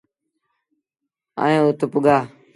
ائيٚݩ اُت پُڳآ۔